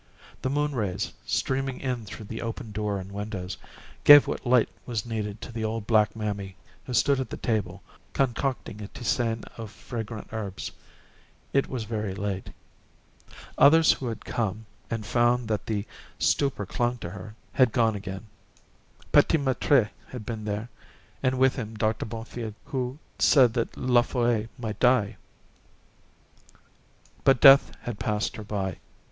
The moon rays, streaming in through the open door and windows, gave what light was needed to the old black mammy who stood at the table concocting a tisane of fragrant herbs. It was very late. Others who had come, and found that the stupor clung to her, had gone again. P'tit Maître had been there, and with him Doctor Bonfils, who said that La Folle might die. But death had passed her by.